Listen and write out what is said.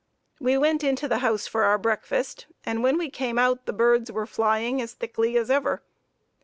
We went into the house for our breakfast and when we came out the birds were flying as thickly as ever.